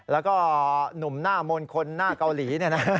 แล้วก็หนุ่มหน้ามนต์คนหน้าเกาหลี